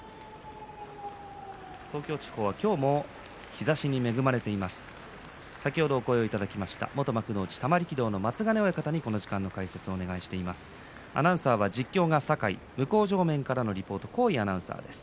東京地方は今日も日ざしに恵まれています。